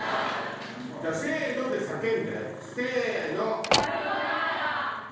じゃあせの！で叫んでせの！